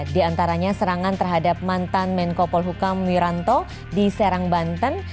di antaranya serangan terhadap mantan menko polhukam wiranto di serang banten